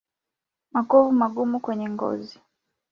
Makovu magumu kwenye ngozi